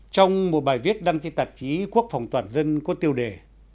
trong một bài viết đăng trên tạp chí quốc phòng toàn dân có tiêu đề